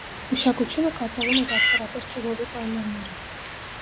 Մշակությունը կատարվում է բացառապես ջրովի պայմաններում։